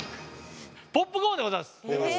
ポップコーンでございます。